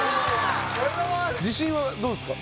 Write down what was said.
自信はどうですか？